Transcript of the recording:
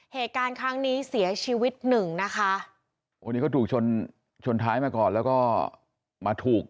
เหตุการณ์ครั้งนี้เสียชีวิตหนึ่งนะคะโอ้นี่เขาถูกชนชนท้ายมาก่อนแล้วก็มาถูก